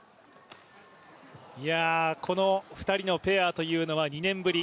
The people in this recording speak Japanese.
この２人のペアというのは２年ぶり。